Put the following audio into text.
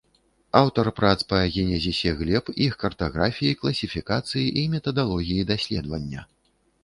Аўтар прац па генезісе глеб, іх картаграфіі, класіфікацыі і метадалогіі даследавання.